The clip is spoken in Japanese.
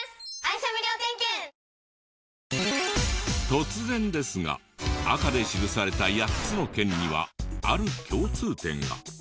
突然ですが赤で記された８つの県にはある共通点が。